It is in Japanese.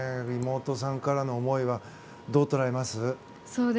妹さんからの思いはどう捉えます？